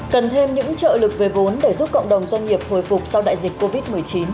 cần thêm những trợ lực về vốn để giúp cộng đồng doanh nghiệp hồi phục sau đại dịch covid một mươi chín